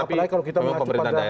apalagi kalau kita mengacu pada